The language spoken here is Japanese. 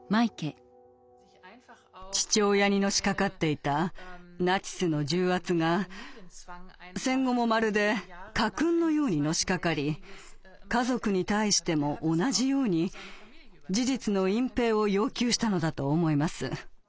父親にのしかかっていたナチスの重圧が戦後もまるで家訓のようにのしかかり家族に対しても同じように事実の隠蔽を要求したのだと思います。